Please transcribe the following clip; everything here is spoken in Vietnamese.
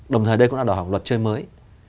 đồng thời đây cũng là đòi hỏi luật chơi mới